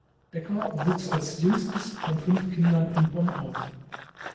Becker wuchs als jüngstes von fünf Kindern in Bonn auf.